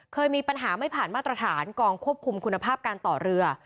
เคยมีปัญหาไม่ผ่านมาตรฐานกองควบคุมคุณภาพการต่อเรือ